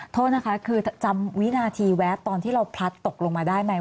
โทษนะคะคือจำวินาทีแวบตอนที่เราพลัดตกลงมาได้ไหม